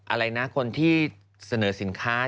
อะไรนะคนที่เสนอสินค้า